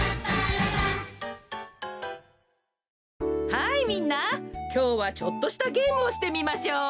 はいみんなきょうはちょっとしたゲームをしてみましょう。